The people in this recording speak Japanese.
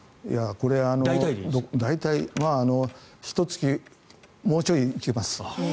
これは大体ひと月、もうちょいいけます。